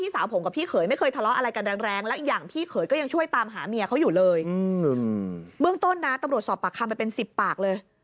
สอบปากคำไปเป็นสิบปากเลย